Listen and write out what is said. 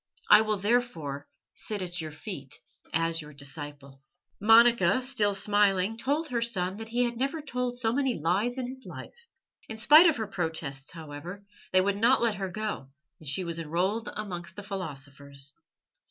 I will therefore sit at your feet as your disciple." Monica, still smiling, told her son that he had never told so many lies in his life. In spite of her protests, however, they would not let her go, and she was enrolled amongst the philosophers.